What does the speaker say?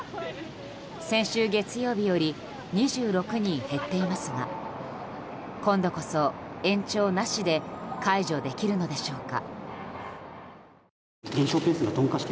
先週月曜日より２６人減っていますが今度こそ延長なしで解除できるのでしょうか。